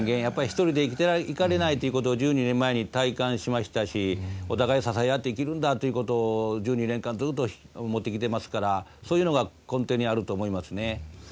やっぱり一人で生きていかれないということを１２年前に体感しましたしお互い支え合って生きるんだということを１２年間ずっと思ってきてますからそういうのが根底にあると思いますね。